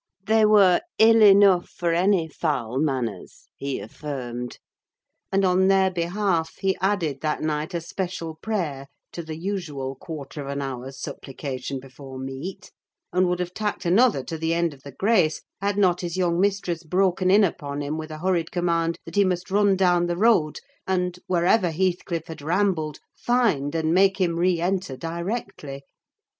They were "ill eneugh for ony fahl manners," he affirmed. And on their behalf he added that night a special prayer to the usual quarter of an hour's supplication before meat, and would have tacked another to the end of the grace, had not his young mistress broken in upon him with a hurried command that he must run down the road, and, wherever Heathcliff had rambled, find and make him re enter directly!